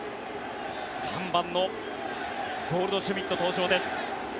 ３番のゴールドシュミット登場です。